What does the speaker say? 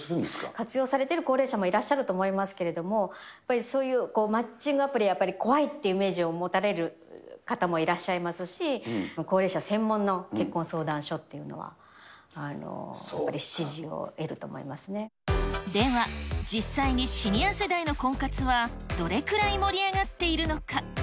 活用されてる高齢者もいらっしゃると思いますけれども、やっぱりそういうマッチングアプリ、やっぱり怖いっていうイメージを持たれる方もいらっしゃいますし、高齢者専門の結婚相談所っていうのはやっぱり支持を得ると思いまでは、実際にシニア世代の婚活は、どれくらい盛り上がっているのか。